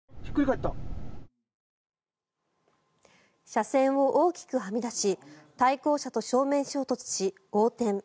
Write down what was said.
車線を大きくはみ出し対向車と正面衝突し、横転。